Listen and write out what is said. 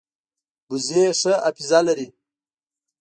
وزې ښه حافظه لري